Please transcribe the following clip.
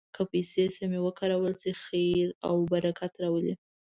که پیسې سمې وکارول شي، خیر او برکت راولي.